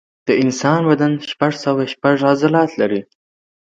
د انسان بدن شپږ سوه شپږ عضلات لري.